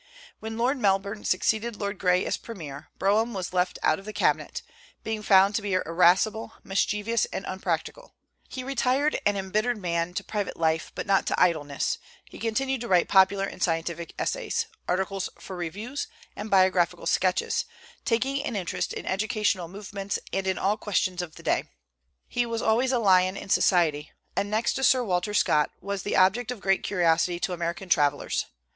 When Lord Melbourne succeeded Lord Grey as premier, Brougham was left out of the cabinet, being found to be irascible, mischievous, and unpractical; he retired, an embittered man, to private life, but not to idleness, He continued to write popular and scientific essays, articles for reviews, and biographical sketches, taking an interest in educational movements, and in all questions of the day. He was always a lion in society, and, next to Sir Walter Scott, was the object of greatest curiosity to American travellers.